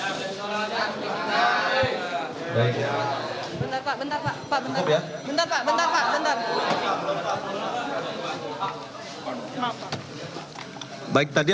mengambilooh di captain domenica danel adama wiwada